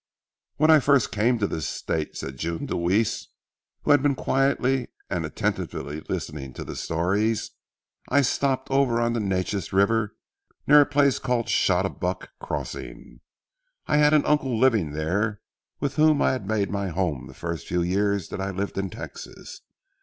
"When I first came to this State," said June Deweese, who had been quietly and attentively listening to the stories, "I stopped over on the Neches River near a place called Shot a buck Crossing. I had an uncle living there with whom I made my home the first few years that I lived in Texas.